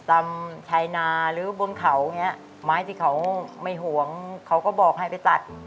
ตามชายนาหรือบนเขาอย่างนี้ไม้ที่เขาไม่ห่วงเขาก็บอกให้ไปตัด